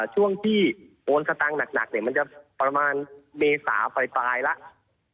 ช่วงที่โม์สตางค์หนักประมาณเมษาปรายแล้ว